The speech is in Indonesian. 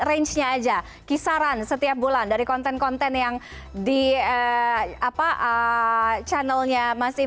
range nya aja kisaran setiap bulan dari konten konten yang di apa channelnya masih